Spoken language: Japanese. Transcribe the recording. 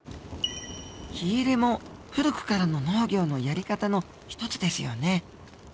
火入れも古くからの農業のやり方の一つですよね。